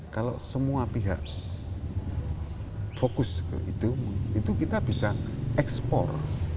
kalau semua pihak fokus ke itu itu kita bisa ekspor